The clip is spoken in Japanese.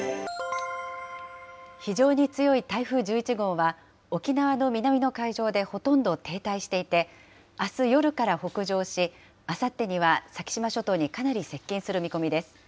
非常に強い台風１１号は、沖縄の南の海上でほとんど停滞していて、あす夜から北上し、あさってには先島諸島にかなり接近する見通しです。